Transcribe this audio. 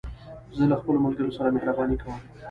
زه له خپلو ملګرو سره مهربانې کوم.